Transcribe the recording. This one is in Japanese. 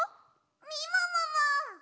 みももも！